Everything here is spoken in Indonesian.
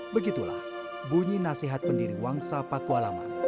begitulah bunyi nasihat pendiri wangsa pakualaman